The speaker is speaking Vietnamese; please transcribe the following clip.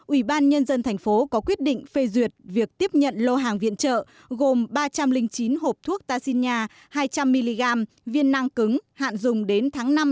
ubnd tp có quyết định phê duyệt việc tiếp nhận lô hàng viện trợ gồm ba trăm linh chín hộp thuốc ta xin nhà hai trăm linh mg viên năng cứng hạn dùng đến tháng năm năm hai nghìn một mươi năm